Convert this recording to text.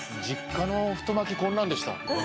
実家の太巻きこんなんでした。